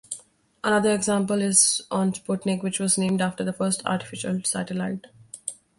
Another example is on "Sputnik" which was named after the first artificial satellite.